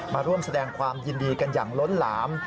มาร่วมแสดงความยินดีกันอย่างล้นหลาม